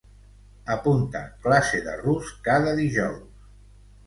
Apunta classe de rus cada dijous.